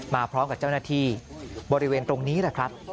มาพร้อมกับเจ้าหน้าที่บริเวณตรงนี้แหละครับ